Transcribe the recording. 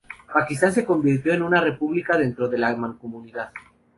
Pakistán se convirtió en una república dentro de la Mancomunidad.